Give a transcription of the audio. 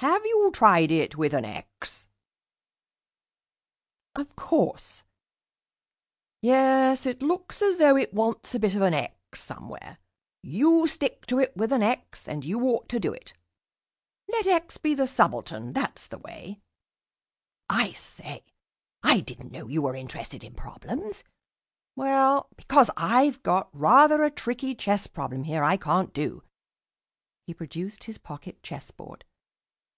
Have you tried it with an 'x'?" "Of course." "Yes, it looks as though it wants a bit of an 'x' somewhere. You stick to it with an 'x' and you ought to do it. Let 'x' be the subaltern that's the way. I say, I didn't know you were interested in problems." "Well " "Because I've got rather a tricky chess problem here I can't do." He produced his pocket chess board.